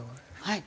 はい。